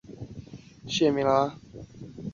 双方关系顿时紧张起来。